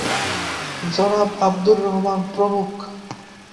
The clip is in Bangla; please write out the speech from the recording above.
তাঁকে স্বাগত জানান আওয়ামীলীগ নেতা সৈয়দ হোসেন মনসুর ও জনাব আব্দুর রহমান প্রমুখ।